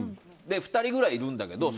２人ぐらいいるんだけど。